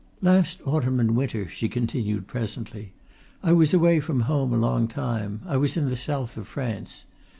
"Last autumn and winter," she continued presently, "I was away from home a long time; I was in the South of France.